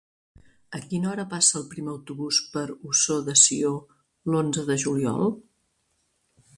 A quina hora passa el primer autobús per Ossó de Sió l'onze de juliol?